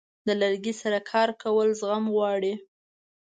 د لرګي سره کار کول زغم غواړي.